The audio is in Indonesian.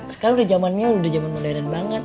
sekarang udah zaman modern banget